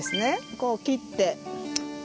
こう切って。